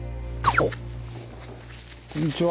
こんにちは。